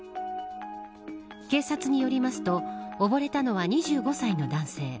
警察によりますとおぼれたのは２５歳の男性。